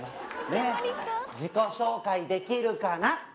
ねっ自己紹介できるかな？